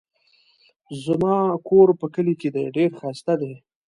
زما کور په کلي کې دی ډېر ښايسته دی